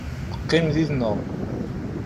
Qqim yid-neɣ.